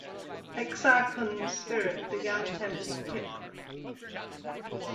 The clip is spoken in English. Exar Kun's spirit began tempting Kyp.